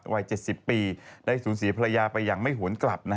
วัย๗๐ปีได้สูญเสียภรรยาไปอย่างไม่หวนกลับ